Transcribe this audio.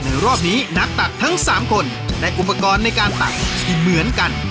รอบนี้นักตักทั้ง๓คนได้อุปกรณ์ในการตักที่เหมือนกัน